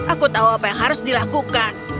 aku tahu apa yang harus dilakukan